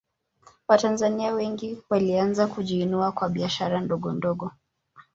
watanzania wengi walianza kujiinua kwa biashara ndogondogo